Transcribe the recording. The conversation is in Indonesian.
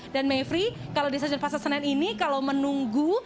dan mevri kalau di stasiun pasar senen ini kalau menunggu